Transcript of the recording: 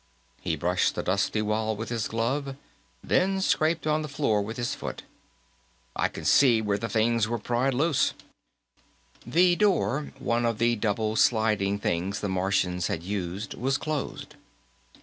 He brushed the dusty wall with his glove, then scraped on the floor with his foot. "I can see where things were pried loose." The door, one of the double sliding things the Martians had used, was closed.